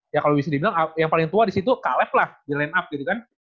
ya kalau bisa dibilang yang paling tua disitu kalef lah di line up gitu kan